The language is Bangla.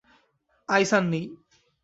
আইস আর নেই।